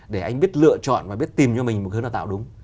để anh biết lựa chọn và biết tìm cho mình một hướng đào tạo đúng